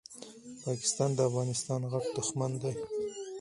پاکستان دي افغانستان غټ دښمن ده